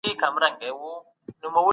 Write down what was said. دا انقلابونه د تیر وخت څخه پیل سول.